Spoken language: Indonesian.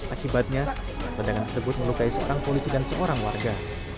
akibatnya ledakan tersebut melukai seorang polisi dan seorang warga